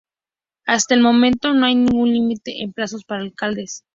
Hasta el momento, no hay ningún límite en plazos para alcaldes.